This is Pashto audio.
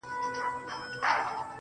لمن كي مي د سپينو ملغلرو كور ودان دى.